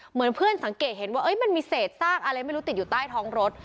เหมือนเพื่อนสังเกตเห็นว่ามันมีเศษซากอะไรไม่รู้ติดอยู่ใต้ท้องรถ